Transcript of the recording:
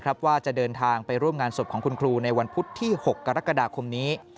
ว่าจะเดินทางไปร่วมงานศพของคุณครูในวันพุธที่๖กรกฎาคมนี้